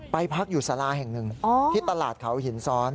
พักอยู่สาราแห่งหนึ่งที่ตลาดเขาหินซ้อน